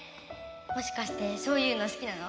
もしかしてそういうの好きなの？